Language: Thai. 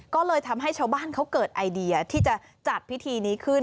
ก็เลยทำให้ชาวบ้านเขาเกิดไอเดียที่จะจัดพิธีนี้ขึ้น